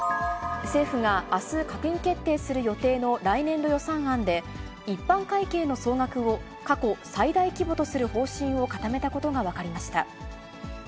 政府があす閣議決定する予定の来年度予算案で、一般会計の総額を過去最大規模とする方針を固めたことが分かりました。